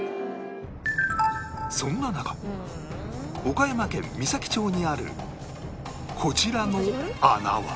そんな中岡山県美咲町にあるこちらの穴は